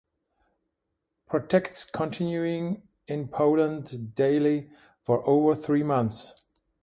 Protests continued in Portland daily for over three months.